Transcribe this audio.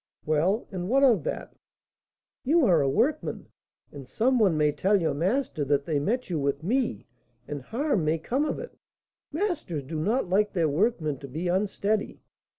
"Well, and what of that?" "You are a workman, and some one may tell your master that they met you with me, and harm may come of it; masters do not like their workmen to be unsteady."